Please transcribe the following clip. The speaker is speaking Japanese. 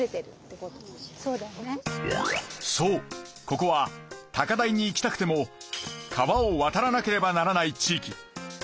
そうここは高台に行きたくても川を渡らなければならない地域。